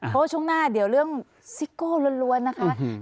เพราะว่าช่วงหน้าเดี๋ยวเรื่องซิโก้ล้วนนะคะ